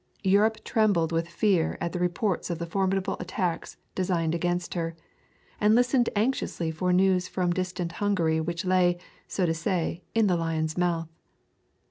Europe trembled with fear at the reports of the formidable attacks designed against her, and listened anxiously for news from distant Hungary which lay, so to say, in the lion's very mouth.